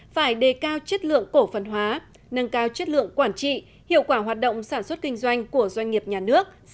phải đề cao chất lượng cổ phần